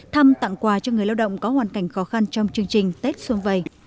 thăm tặng quà cho người lao động có hoàn cảnh khó khăn trong chương trình tết xuân vầy